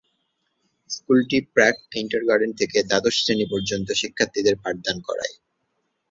স্কুলটি প্রাক কিন্ডারগার্টেন থেকে দ্বাদশ শ্রেণী পর্যন্ত শিক্ষার্থীদের পাঠদান করায়।